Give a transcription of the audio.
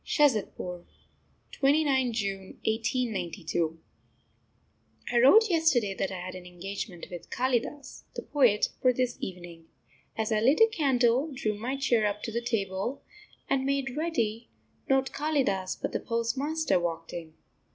SHAZADPUR, 29th June 1892. I wrote yesterday that I had an engagement with Kalidas, the poet, for this evening. As I lit a candle, drew my chair up to the table, and made ready, not Kalidas, but the postmaster, walked in.